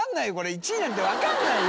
１位なんてわかんないよ。